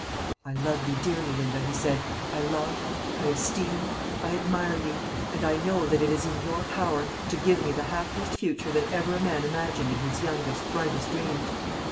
"I love you dearly, Linda," he said; "I love, I esteem, I admire you; and I know that it is in your power to give me the happiest future that ever a man imagined in his youngest, brightest dreams.